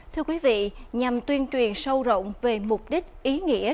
thưa quý vị nhằm tuyên truyền sâu rộng về mục đích ý nghĩa